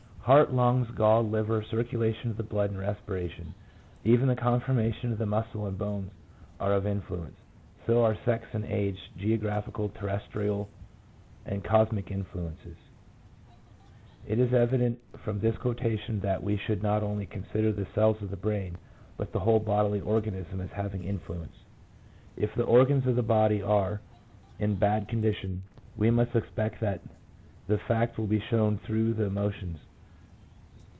Heart, lungs, gall, liver, circulation of the blood, and respiration — even the conformation of the muscle and bones are of influence; so are sex and age, geographical, terrestrial, and cosmic influences;" 1 It is evident from this quotation that we should not only consider the cells of the brain, but the whole bodily organism as having influence. If the organs of the body are in bad condition, we must expect that the fact will be shown through the emotions.